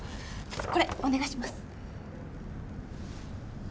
これお願いします。